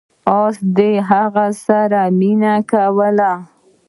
اس د هغه سره مینه کوله.